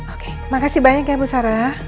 oke terima kasih banyak ya bu sara